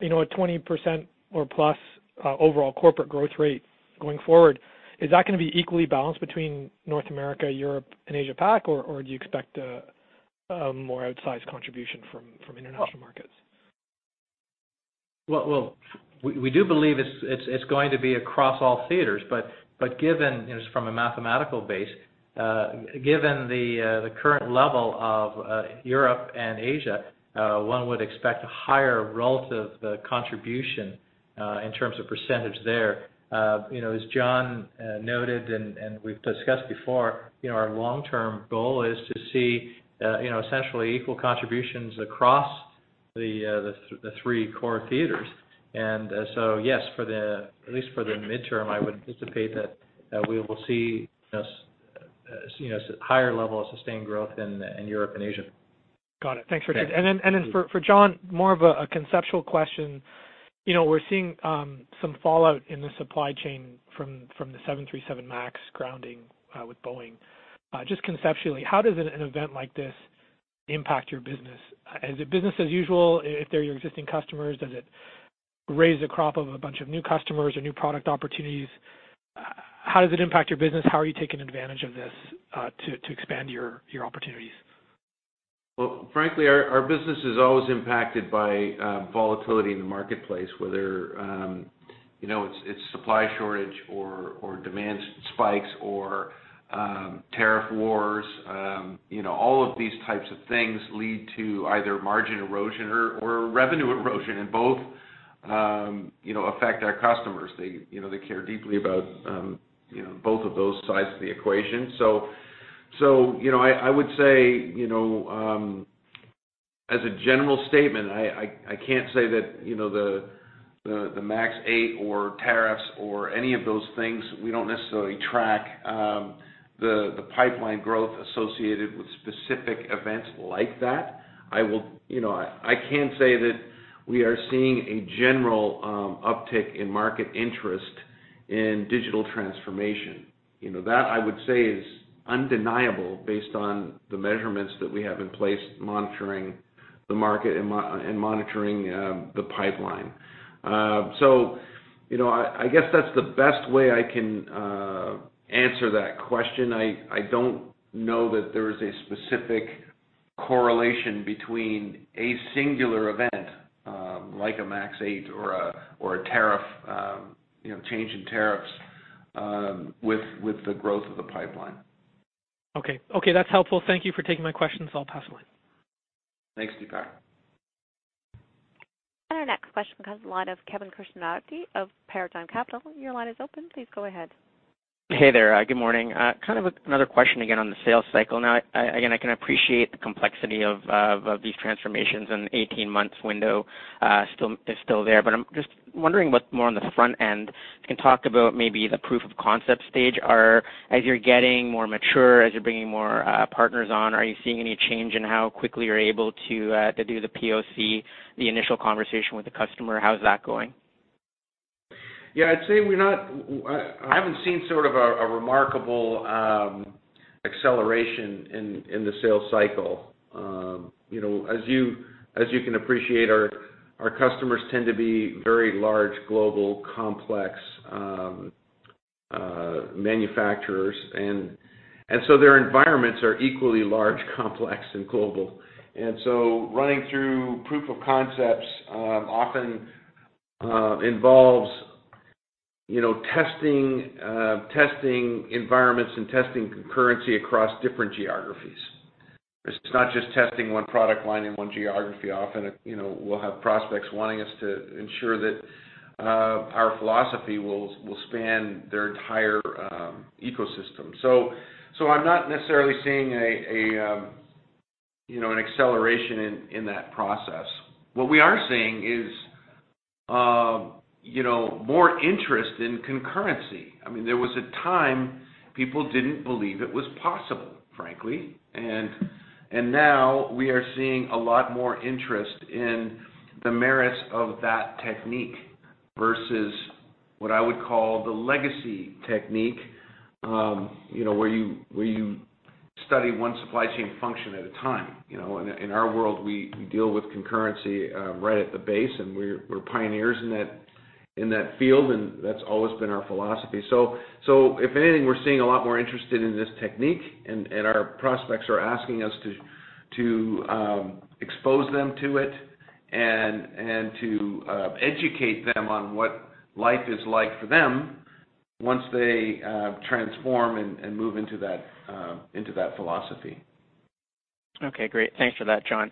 a 20% or plus overall corporate growth rate going forward, is that going to be equally balanced between North America, Europe, and Asia Pac? Do you expect a more outsized contribution from international markets? Well, we do believe it's going to be across all theaters, but given, just from a mathematical base, given the current level of Europe and Asia, one would expect a higher relative contribution in terms of percentage there. As John noted and we've discussed before, our long-term goal is to see essentially equal contributions across the three core theaters. Yes, at least for the midterm, I would anticipate that we will see a higher level of sustained growth in Europe and Asia. Got it. Thanks, Richard. For John, more of a conceptual question. We're seeing some fallout in the supply chain from the 737 MAX grounding with Boeing. Just conceptually, how does an event like this impact your business? Is it business as usual if they're your existing customers? Does it raise a crop of a bunch of new customers or new product opportunities? How does it impact your business? How are you taking advantage of this to expand your opportunities? Well, frankly, our business is always impacted by volatility in the marketplace, whether it's supply shortage or demand spikes or tariff wars. All of these types of things lead to either margin erosion or revenue erosion, and both affect our customers. They care deeply about both of those sides of the equation. I would say, as a general statement, I can't say that the MAX 8 or tariffs or any of those things, we don't necessarily track the pipeline growth associated with specific events like that. I can say that we are seeing a general uptick in market interest in digital transformation. That, I would say, is undeniable based on the measurements that we have in place monitoring the market and monitoring the pipeline. I guess that's the best way I can answer that question. I don't know that there is a specific correlation between a singular event like a MAX 8 or a change in tariffs with the growth of the pipeline. Okay. That's helpful. Thank you for taking my questions. I'll pass the line. Thanks, Deepak. Our next question comes to the line of Kevin Krishnaratne of Paradigm Capital. Your line is open. Please go ahead. Hey there. Good morning. Kind of another question again on the sales cycle. Again, I can appreciate the complexity of these transformations, and the 18 months window is still there. I'm just wondering what more on the front end, if you can talk about maybe the proof of concept stage. As you're getting more mature, as you're bringing more partners on, are you seeing any change in how quickly you're able to do the POC, the initial conversation with the customer? How is that going? Yeah, I'd say I haven't seen sort of a remarkable acceleration in the sales cycle. As you can appreciate, our customers tend to be very large, global, complex manufacturers, and so their environments are equally large, complex, and global. Running through proof of concepts often involves testing environments and testing concurrency across different geographies. It's not just testing one product line in one geography. Often, we'll have prospects wanting us to ensure that our philosophy will span their entire ecosystem. I'm not necessarily seeing an acceleration in that process. What we are seeing is more interest in concurrency. There was a time people didn't believe it was possible, frankly. Now we are seeing a lot more interest in the merits of that technique versus what I would call the legacy technique, where you study one supply chain function at a time. In our world, we deal with concurrency right at the base, and we're pioneers in that field, and that's always been our philosophy. If anything, we're seeing a lot more interest in this technique, and our prospects are asking us to expose them to it and to educate them on what life is like for them once they transform and move into that philosophy. Okay, great. Thanks for that, John.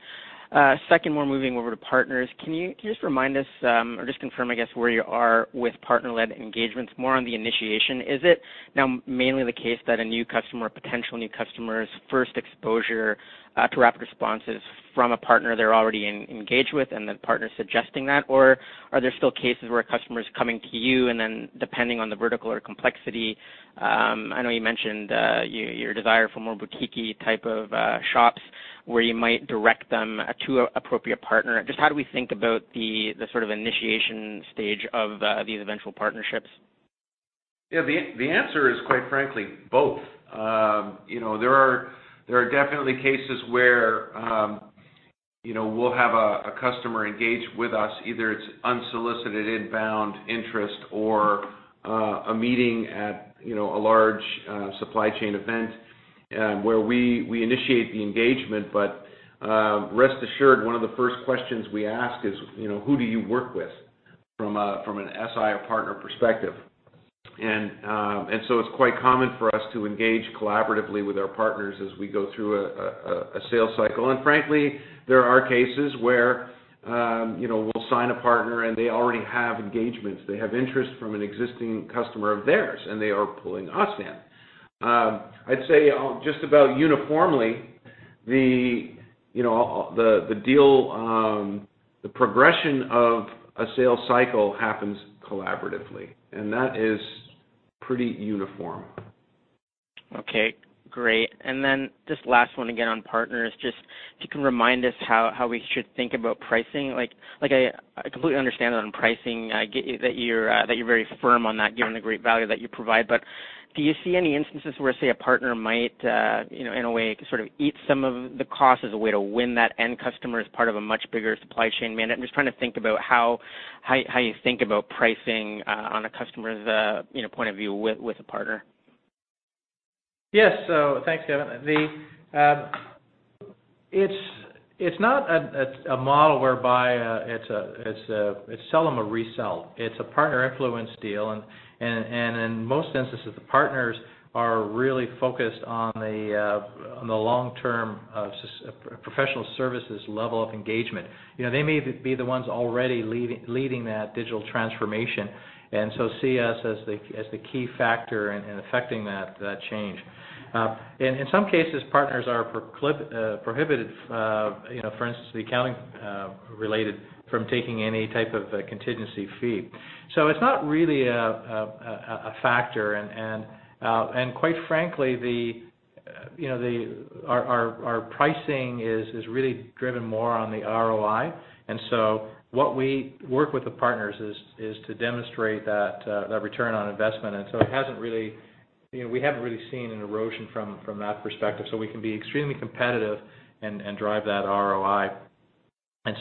Second one, moving over to partners. Can you just remind us or just confirm, I guess, where you are with partner-led engagements, more on the initiation? Is it now mainly the case that a new customer or potential new customer's first exposure to RapidResponse is from a partner they're already engaged with, and the partner's suggesting that, or are there still cases where a customer is coming to you, and then depending on the vertical or complexity, I know you mentioned your desire for more boutique-y type of shops where you might direct them to an appropriate partner. How do we think about the sort of initiation stage of these eventual partnerships? Yeah, the answer is, quite frankly, both. There are definitely cases where we'll have a customer engage with us. Either it's unsolicited inbound interest or a meeting at a large supply chain event where we initiate the engagement. Rest assured, one of the first questions we ask is, "Who do you work with from an SI or partner perspective?" It's quite common for us to engage collaboratively with our partners as we go through a sales cycle. Frankly, there are cases where we'll sign a partner, and they already have engagements. They have interest from an existing customer of theirs, and they are pulling us in. I'd say just about uniformly, the progression of a sales cycle happens collaboratively, and that is pretty uniform. Okay, great. Just last one again on partners, just if you can remind us how we should think about pricing. I completely understand that on pricing, I get that you're very firm on that given the great value that you provide. Do you see any instances where, say, a partner might, in a way, sort of eat some of the cost as a way to win that end customer as part of a much bigger supply chain mandate? I'm just trying to think about how you think about pricing on a customer's point of view with a partner. Yes. Thanks, Kevin. It's not a model whereby it's sell them a resell. It's a partner influence deal, and in most instances, the partners are really focused on the long-term professional services level of engagement. They may be the ones already leading that digital transformation, and so see us as the key factor in affecting that change. In some cases, partners are prohibited, for instance, accounting related, from taking any type of contingency fee. It's not really a factor, and quite frankly, our pricing is really driven more on the ROI. What we work with the partners is to demonstrate that return on investment. We haven't really seen an erosion from that perspective, so we can be extremely competitive and drive that ROI. It's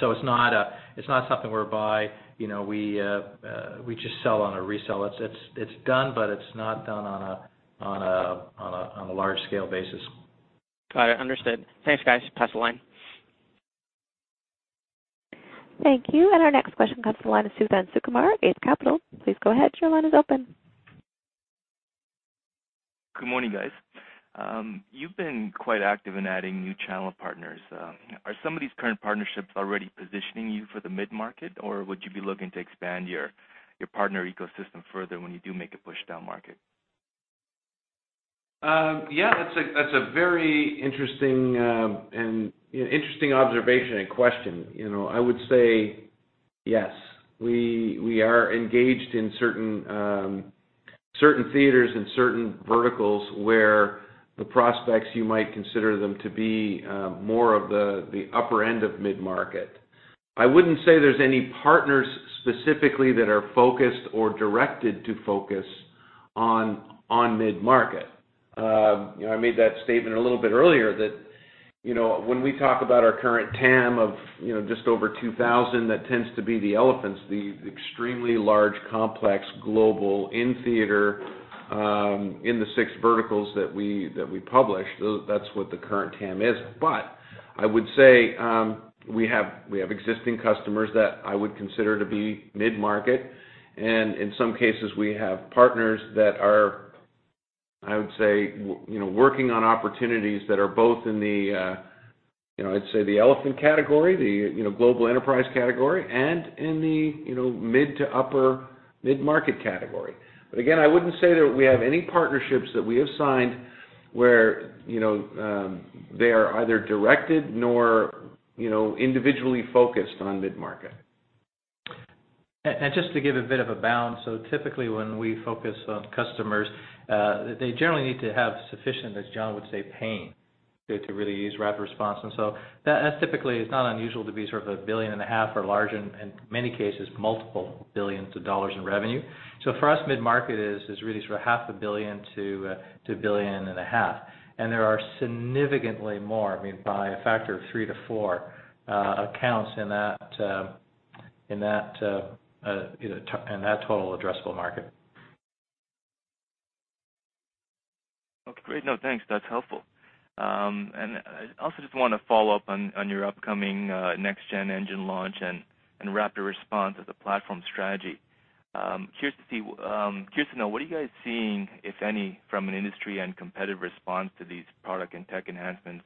not something whereby we just sell on a resell. It's done, but it's not done on a large-scale basis. Got it. Understood. Thanks, guys. Pass the line. Thank you. Our next question comes from the line of Suthan Sukumar, Eight Capital. Please go ahead. Your line is open. Good morning, guys. You've been quite active in adding new channel partners. Are some of these current partnerships already positioning you for the mid-market, or would you be looking to expand your partner ecosystem further when you do make a push downmarket? That's a very interesting observation and question. I would say yes. We are engaged in certain theaters and certain verticals where the prospects, you might consider them to be more of the upper end of mid-market. I wouldn't say there's any partners specifically that are focused or directed to focus on mid-market. I made that statement a little bit earlier, that when we talk about our current TAM of just over 2,000, that tends to be the elephants, the extremely large, complex, global, in theater, in the 6 verticals that we publish. That's what the current TAM is. I would say we have existing customers that I would consider to be mid-market, and in some cases, we have partners that are, I would say, working on opportunities that are both in the, I'd say the elephant category, the global enterprise category, and in the mid to upper mid-market category. Again, I wouldn't say that we have any partnerships that we have signed where they are either directed nor individually focused on mid-market. Just to give a bit of a balance, typically, when we focus on customers, they generally need to have sufficient, as John would say, pain to really use RapidResponse. That's typically, it's not unusual to be sort of a billion and a half or large, in many cases, multiple billions of dollars in revenue. For us, mid-market is really sort of half a billion to a billion and a half. There are significantly more, I mean, by a factor of three to four accounts in that total addressable market. Okay, great. No, thanks. That's helpful. I also just want to follow up on your upcoming next-gen engine launch and RapidResponse as a platform strategy. Curious to know, what are you guys seeing, if any, from an industry and competitive response to these product and tech enhancements?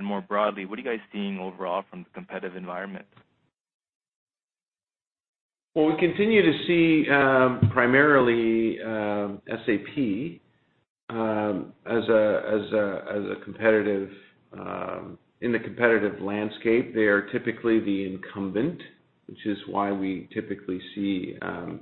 More broadly, what are you guys seeing overall from the competitive environment? We continue to see primarily SAP in the competitive landscape. They are typically the incumbent, which is why we typically see them.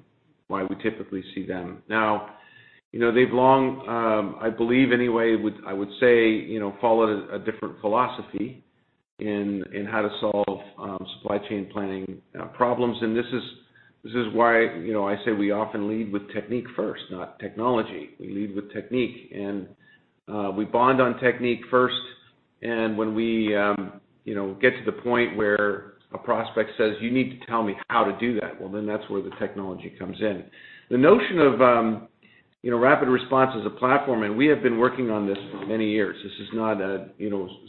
They've long, I believe anyway, I would say, followed a different philosophy in how to solve supply chain planning problems. This is why I say we often lead with technique first, not technology. We lead with technique, we bond on technique first, when we get to the point where a prospect says, "You need to tell me how to do that," that's where the technology comes in. The notion of RapidResponse as a platform, we have been working on this for many years. This is not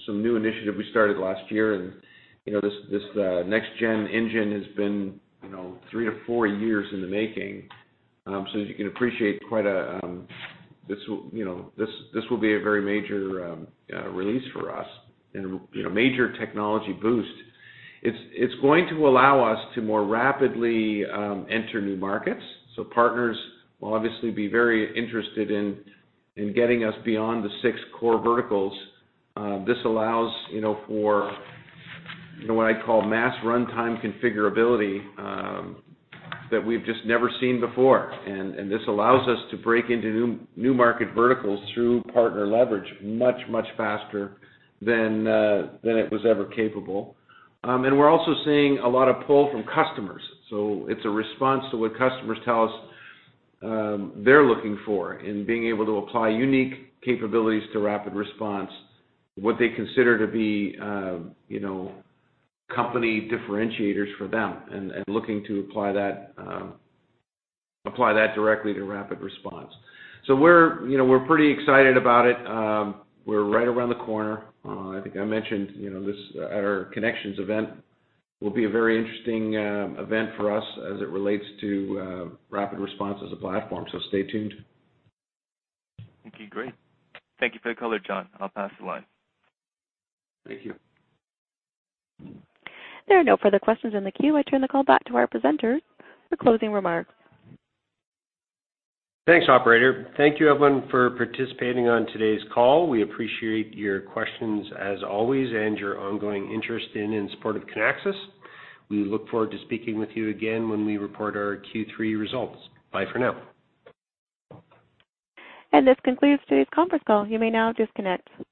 some new initiative we started last year. This next-gen engine has been three to four years in the making. As you can appreciate, this will be a very major release for us and a major technology boost. It's going to allow us to more rapidly enter new markets. Partners will obviously be very interested in getting us beyond the six core verticals. This allows for what I'd call mass runtime configurability that we've just never seen before. This allows us to break into new market verticals through partner leverage much, much faster than it was ever capable. We're also seeing a lot of pull from customers. It's a response to what customers tell us they're looking for in being able to apply unique capabilities to RapidResponse, what they consider to be company differentiators for them, and looking to apply that directly to RapidResponse. We're pretty excited about it. We're right around the corner. I think I mentioned our Kinexions event will be a very interesting event for us as it relates to RapidResponse as a platform. Stay tuned. Okay, great. Thank you for the color, John. I'll pass the line. Thank you. There are no further questions in the queue. I turn the call back to our presenters for closing remarks. Thanks, operator. Thank you, everyone, for participating on today's call. We appreciate your questions as always and your ongoing interest in and support of Kinaxis. We look forward to speaking with you again when we report our Q3 results. Bye for now. This concludes today's conference call. You may now disconnect.